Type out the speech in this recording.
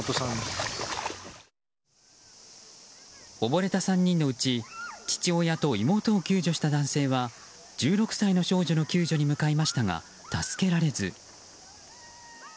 溺れた３人のうち、父親と妹を救助した男性は１６歳の少女の救助に向かいましたが助けられず。